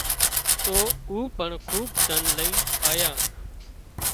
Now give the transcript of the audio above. تو او پڻ کوٻ ڌن لائينَ آيا